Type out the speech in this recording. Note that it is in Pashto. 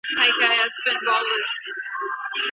نور یې د غرونو په لمن کې